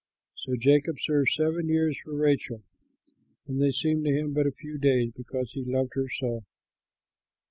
So Jacob served seven years for Rachel, and they seemed to him but a few days, because he loved her so.